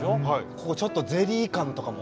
ここちょっとゼリー感とかも。